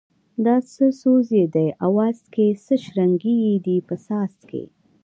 دا څه سوز یې دی اواز کی څه شرنگی یې دی په ساز کی